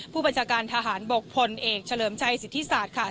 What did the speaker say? ผู้บัญชาการทหารบกพลเอกเฉลิมชัยสิทธิศาสตร์ค่ะ